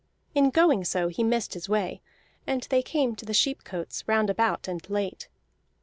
In going so he missed his way, and they came to the sheepcotes roundabout and late.